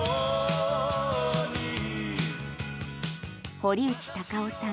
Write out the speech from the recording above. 堀内孝雄さん